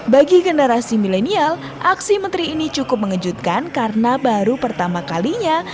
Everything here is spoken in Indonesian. bagi generasi milenial aksi menteri ini cukup mengejutkan karena baru pertama kalinya